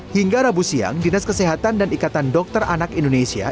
hingga rabu siang dinas kesehatan dan ikatan dokter anak indonesia